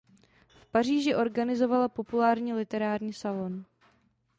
V Paříži organizovala populární literární salon.